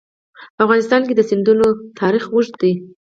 په افغانستان کې د سیندونه تاریخ اوږد دی.